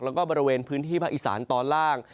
แล้วก็บริเวณพื้นที่ภาคอีสานตอนล่าง